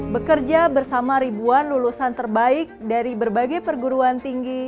bekerja bersama ribuan lulusan terbaik dari berbagai perguruan tinggi